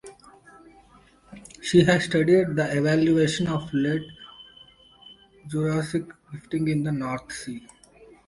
She has studied the evaluation of Late Jurassic rifting in the North Sea.